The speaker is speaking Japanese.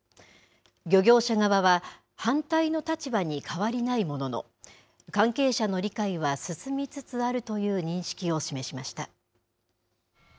漁業者側は反対の立場に変わりないものの、関係者の理解は進みつつあるという認識を示しました。